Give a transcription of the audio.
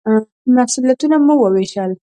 مسوولیتونه مو ووېشل.